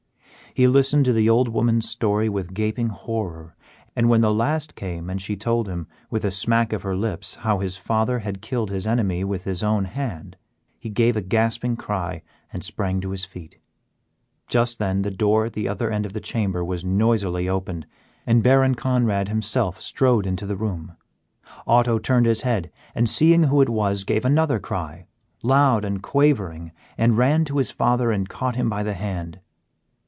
He listened to the old woman's story with gaping horror, and when the last came and she told him, with a smack of her lips, how his father had killed his enemy with his own hand, he gave a gasping cry and sprang to his feet. Just then the door at the other end of the chamber was noisily opened, and Baron Conrad himself strode into the room. Otto turned his head, and seeing who it was, gave another cry, loud and quavering, and ran to his father and caught him by the hand.